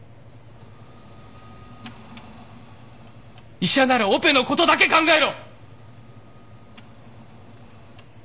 医者ならオペのことだけ考えろ！